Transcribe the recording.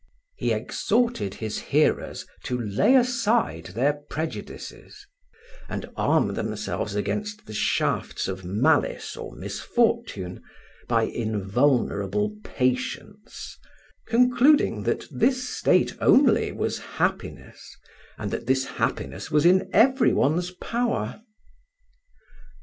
He exhorted his hearers to lay aside their prejudices, and arm themselves against the shafts of malice or misfortune, by invulnerable patience: concluding that this state only was happiness, and that this happiness was in every one's power.